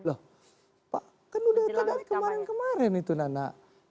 loh pak kan udah kemarin kemarin itu nana